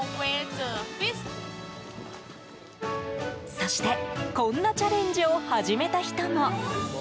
そしてこんなチャレンジを始めた人も。